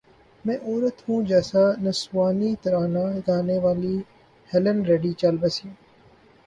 میں عورت ہوں جیسا نسوانی ترانہ گانے والی ہیلن ریڈی چل بسیں